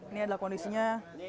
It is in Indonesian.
ini adalah kondisinya